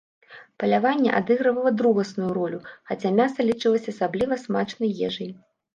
Паляванне адыгрывала другасную ролю, хаця мяса лічылася асабліва смачнай ежай.